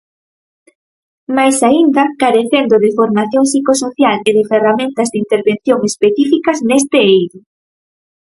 Máis aínda, carecendo de formación psicosocial e de ferramentas de intervención específicas neste eido.